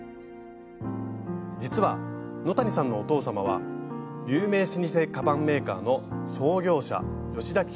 実は野谷さんのお父様は有名老舗カバンメーカーの創業者吉田吉蔵さん。